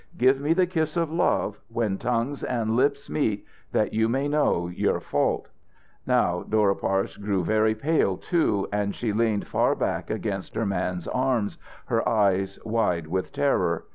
Give me the kiss of love, when tongues and lips meet, that you may know your fault." Now Dora Parse grew very pale, too, and she leaned far back against her man's arms, her eyes wide with terror.